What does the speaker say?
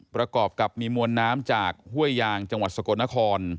ประกอบกับมีมวลน้ำจากห้วยยางจังหวัดสกลนคร